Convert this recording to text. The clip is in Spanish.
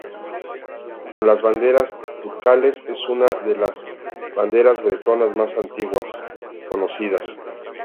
Con las banderas ducales es una de las banderas bretonas más antiguas conocidas.